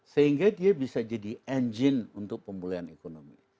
sehingga dia bisa jadi engine untuk pemulihan ekonomi